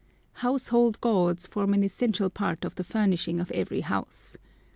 Household gods form an essential part of the furnishing of every house.